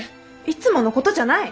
いつものことじゃない！